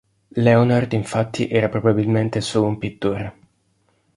Leonhard infatti era probabilmente solo un pittore.